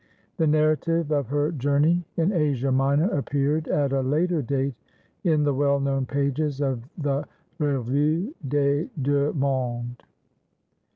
The narrative of her journey in Asia Minor appeared at a later date in the well known pages of the Revue des deux Mondes.